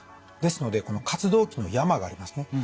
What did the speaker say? ですのでこの活動期の山がありますね。